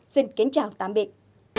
xin kính chào tạm biệt